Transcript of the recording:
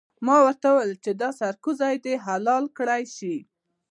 ملا ورته وویل چې دا سرکوزی دې حلال کړای شي.